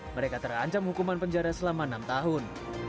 mereka terancam hukuman penjara selama enam tahun